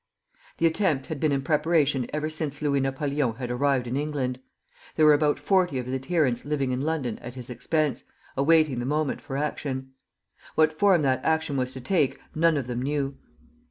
The attempt had been in preparation ever since Louis Napoleon had arrived in England. There were about forty of his adherents living in London at his expense, awaiting the moment for action. What form that action was to take, none of them knew.